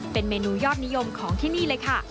เป็นเมนูยอดนิยมของที่นี่เลยค่ะ